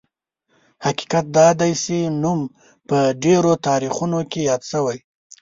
حقیقت دا دی چې نوم په ډېرو تاریخونو کې یاد شوی.